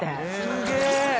すげえ！